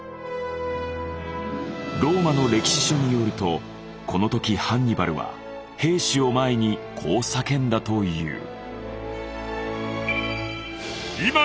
ローマの歴史書によるとこの時ハンニバルは兵士を前にこう叫んだという。